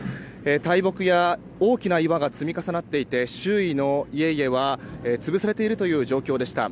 大木や大きな岩が積み重なっていて周囲の家々は潰されている状況でした。